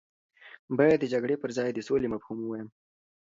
باید د جګړې پر ځای د سولې مفهوم ووایم.